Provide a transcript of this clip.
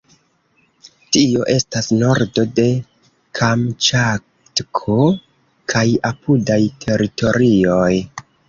Tio estas nordo de Kamĉatko kaj apudaj teritorioj.